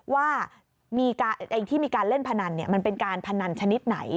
ว่าที่มีการเล่นพนันมันเป็นการพนันชนิดไหน